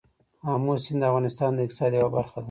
آمو سیند د افغانستان د اقتصاد یوه برخه ده.